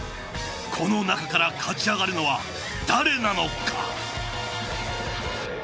この中から勝ち上がるのは誰なのか。